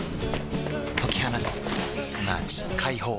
解き放つすなわち解放